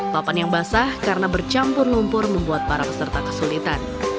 papan yang basah karena bercampur lumpur membuat para peserta kesulitan